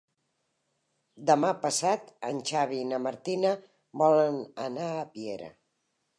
Demà passat en Xavi i na Martina volen anar a Piera.